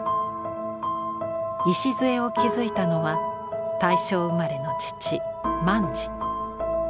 礎を築いたのは大正生まれの父萬次。